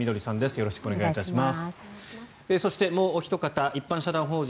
よろしくお願いします。